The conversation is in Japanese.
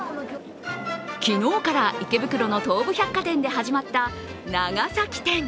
昨日から池袋の東武百貨店で始まった長崎展。